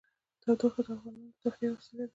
تودوخه د افغانانو د تفریح یوه وسیله ده.